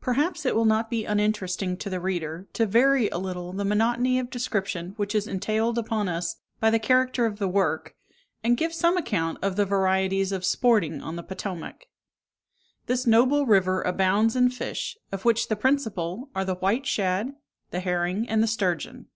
Perhaps it will not be uninteresting to the reader, to vary a little the monotony of description which is entailed upon us by the character of the work, and give some account of the varieties of sporting on the Potomac. This noble river abounds in fish, of which the principal are the white shad, the herring, and the sturgeon.